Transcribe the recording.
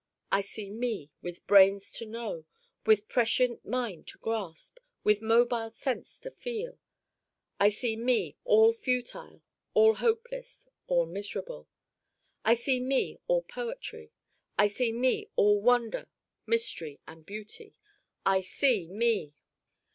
I see Me with brains to know, with prescient mind to grasp, with mobile sense to feel. I see Me all futile, all hopeless, all miserable. I see Me all poetry. I see Me all wonder, mystery and beauty. I see Me!